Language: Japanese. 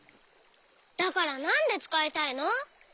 だからなんでつかいたいの？